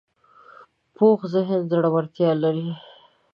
پوخ ذهن زړورتیا لري